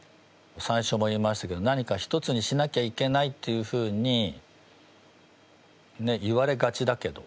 最初も言いましたけど何か１つにしなきゃいけないっていうふうに言われがちだけど。